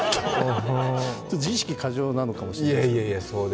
自意識過剰なのかもしれないですね。